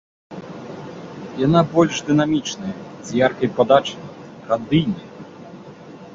Яна больш дынамічная, з яркай падачай, радыйная.